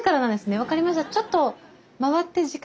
分かりました。